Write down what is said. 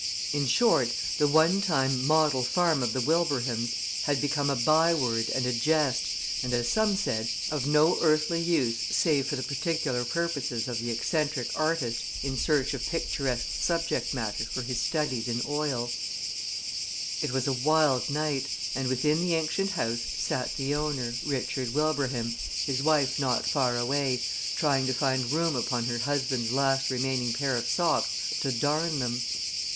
In short, the one time model farm of the Wilbrahams had become a by word and a jest and, as some said, of no earthly use save for the particular purposes of the eccentric artist in search of picturesque subject matter for his studies in oil. [Illustration: WITHIN THE ANCIENT HOUSE SAT THE OWNER, RICHARD WILBRAHAM] It was a wild night, and within the ancient house sat the owner, Richard Wilbraham, his wife not far away, trying to find room upon her husband's last remaining pair of socks to darn them.